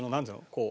こう。